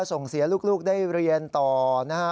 ส่งเสียลูกได้เรียนต่อนะฮะ